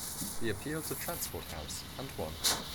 He appealed to Transport House, and won.